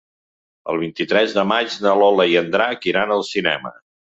El vint-i-tres de maig na Lola i en Drac iran al cinema.